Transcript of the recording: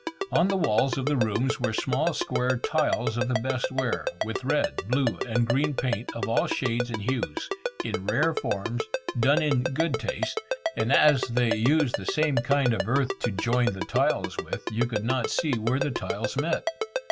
On the walls of the rooms were small square tiles of the best ware, with red, blue, and green paint of all shades and hues, in rare forms, done in good taste; and as they use the same kind of earth to join the tiles with, you could not see where the tiles met.